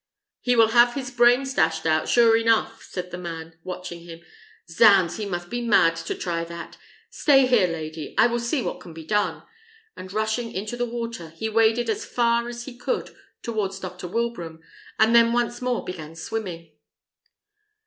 "He will have his brains dashed out, sure enough," said the man, watching him. "Zounds! he must be mad to try that. Stay here, lady; I will see what can be done;" and rushing into the water, he waded as far as he could towards Dr. Wilbraham, and then once more began swimming.